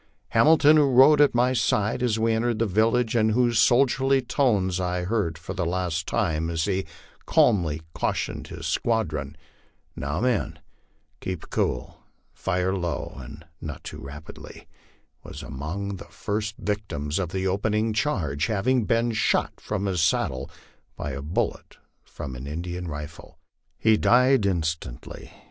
Hamilton, who rode at my side as we entered the village, and whose soldierly tones I heard for the last time as he calmly cautioned his squadron, " Now, men, keep cool, fire low, and not too rapidly," was among the first victims of the opening charge, having been shot from his saddle by a bullet from an Indian rifle. He died instantly.